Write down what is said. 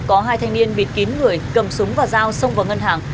có hai thanh niên bịt kín người cầm súng và dao xông vào ngân hàng